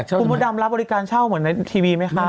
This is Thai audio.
คุณมดดำรับบริการเช่าเหมือนในทีวีไหมคะ